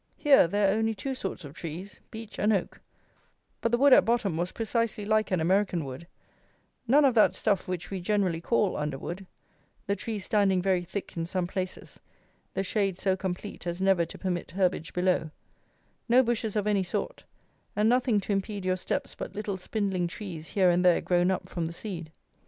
Here there are only two sorts of trees, beech and oak: but the wood at bottom was precisely like an American wood: none of that stuff which we generally call underwood: the trees standing very thick in some places: the shade so complete as never to permit herbage below: no bushes of any sort; and nothing to impede your steps but little spindling trees here and there grown up from the seed.